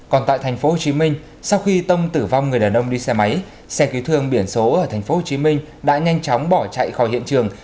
còn tại tp hcm sau khi tông tử vong người đàn ông đi xe máy xe cứu thương biển số ở tp hcm đã nhanh chóng bỏ chạy khỏi hiện trường